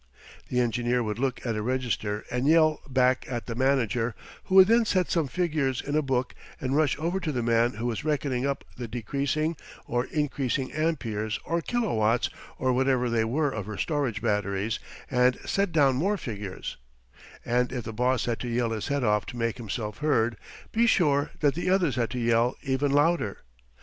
The engineer would look at a register and yell back at the manager, who would then set some figures in a book and rush over to the man who was reckoning up the decreasing or increasing amperes or kilowatts or whatever they were of her storage batteries, and set down more figures; and if the boss had to yell his head off to make himself heard, be sure that the others had to yell even louder.